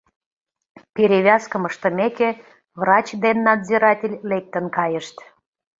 Перевязкым ыштымеке, врач ден надзиратель лектын кайышт.